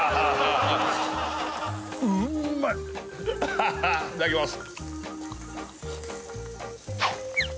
ハハいただきます